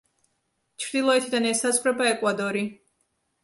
ჩრდილოეთიდან ესაზღვრება ეკვადორი.